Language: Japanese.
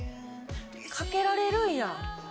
かけられるんや。